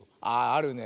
ああるね。